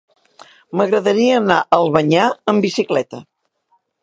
M'agradaria anar a Albanyà amb bicicleta.